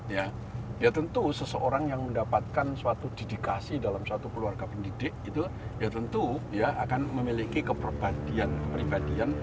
ya ya tentu seseorang yang mendapatkan suatu dedikasi dalam suatu keluarga pendidik itu ya tentu akan memiliki kepribadian kepribadian